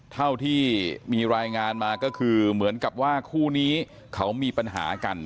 เท่าที่มีรายงานมาก็คือเหมือนกับว่าคู่นี้เขามีปัญหากัน